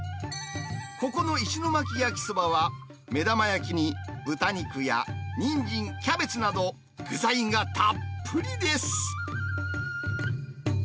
ここの石巻焼きそばは、目玉焼きに豚肉やにんじん、キャベツなど具材がたっぷりです。